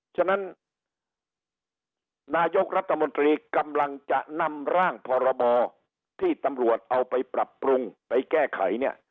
ฉะนั้นนายกรัฐมนตรีกำลังจะนำร่างพรบที่ตำรวจเอาไปปรับปรุงไปแก้ไขเนี่ย